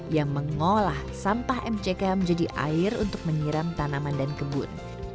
yang mengolah sampah mck menjadi air untuk menyiram tanaman dan kebun